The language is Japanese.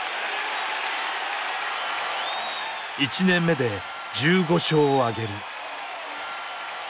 １年目で１５勝をあげる。